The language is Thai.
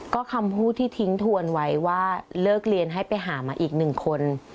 ก็คำพูดที่ทิ้งทวนไว้ว่าเลิกเรียนให้ไปหามาอีกหนึ่งคน